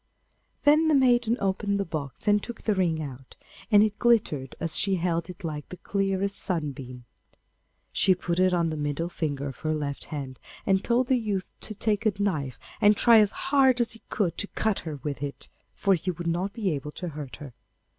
Then the maiden opened the box and took the ring out, and it glittered as she held it like the clearest sunbeam. She put it on the middle finger of her left hand, and told the youth to take a knife and try as hard as he could to cut her with it, for he would not be able to hurt her.